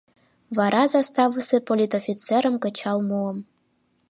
Вара заставысе политофицерым кычал муым.